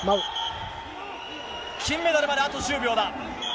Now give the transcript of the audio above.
金メダルまで、あと１０秒だ。